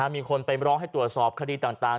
มีคนไปร้องให้ตรวจสอบคดีต่าง